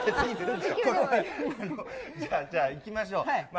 じゃあじゃあ、いきましょう。